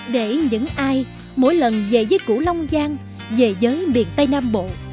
để những ai mỗi lần về với củ long giang về với miền tây nam bộ